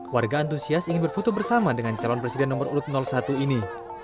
warga antusias ingin berfoto bersama dengan calon presiden nomor urut satu ini